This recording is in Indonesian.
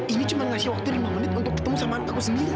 ini cuman kasih waktu lima menit untuk ketemu sama antakku sendiri